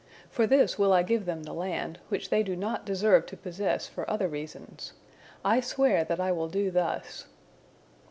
For this will I give them the land, which they do not deserve to possess for other reasons. I swear that I will do thus!"